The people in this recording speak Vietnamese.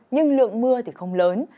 nhưng lượng mưa thì không lớn